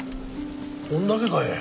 こんだけかえ。